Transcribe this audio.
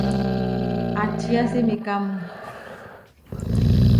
Aʼčía simikámu?